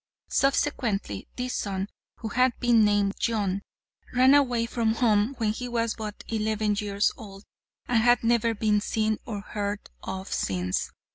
Subsequently this son, who had been named John, ran away from home when he was but eleven years old, and had never been seen or heard of since.